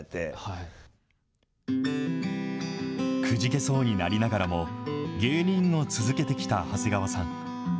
くじけそうになりながらも、芸人を続けてきた長谷川さん。